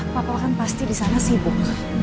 papa kan pasti disana sibuk